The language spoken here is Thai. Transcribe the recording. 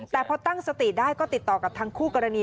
แต่พอตั้งสติได้ก็ติดต่อกับทางคู่กรณี